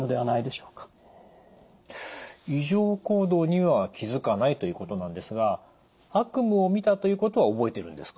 異常行動には気づかないということなんですが悪夢をみたということは覚えているんですか？